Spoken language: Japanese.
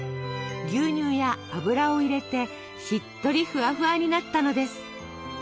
牛乳や油を入れてしっとりフワフワになったのです。